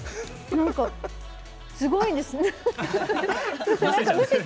なんかすごいんです！